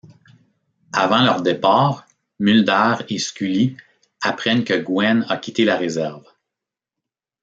Avant leur départ, Mulder et Scully apprennent que Gwen a quitté la réserve.